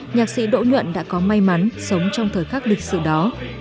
nhạc sĩ đỗ nhuận đã có may mắn sống trong thời khắc lịch sự đó